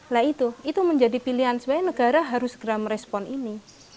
nah itu itu menjadi pilihan sebenarnya negara harus segera merespon ini